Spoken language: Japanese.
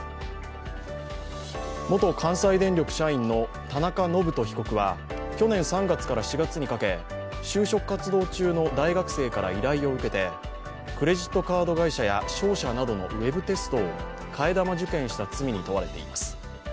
元関西電力社員の田中信人被告は去年３月から４月にかけ就職活動中の大学生から依頼を受けてクレジットカード会社や商社などのウェブテストを替え玉受検した罪に問われています。